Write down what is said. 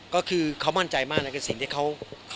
ก็คือเขามั่นใจมากนะคือสิ่งที่เขา